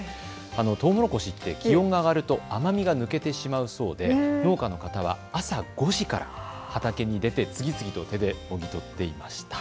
トウモロコシは気温が上がると甘みが抜けてしまうそうで農家の方は朝５時から畑に出て次々と手でもぎ取っていました。